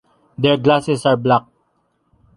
Their glasses are black.